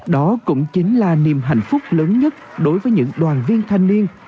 đó cũng chính là niềm hạnh phúc lớn nhất đối với những đoàn viên thanh niên